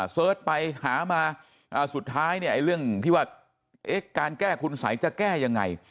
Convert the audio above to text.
เสิร์ชไปหามาสุดท้ายเนี่ยเรื่องที่ว่าการแก้คุณสัยจะแก้ยังไง